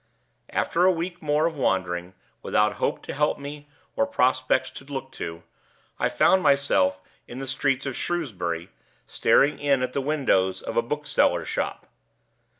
After a week more of wandering, without hope to help me, or prospects to look to, I found myself in the streets of Shrewsbury, staring in at the windows of a book seller's shop.